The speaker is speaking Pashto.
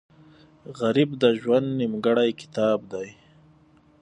غریب د ژوند نیمګړی کتاب دی